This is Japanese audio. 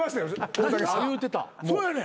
そうやねん。